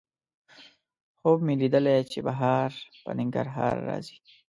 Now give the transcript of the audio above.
خوب مې لیدلی چې بهار په ننګرهار راځي